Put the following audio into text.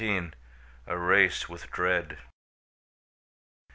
A RACE WITH DREAD.